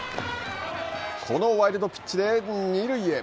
このワイルドピッチで二塁へ。